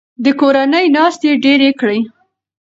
د کورنۍ ناستې ډیرې کړئ.